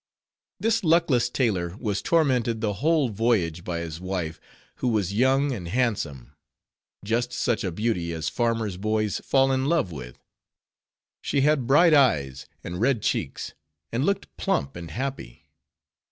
This luckless tailor was tormented the whole voyage by his wife, who was young and handsome; just such a beauty as farmers' boys fall in love with; she had bright eyes, and red cheeks, and looked plump and happy.